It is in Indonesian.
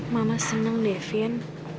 mama senang devin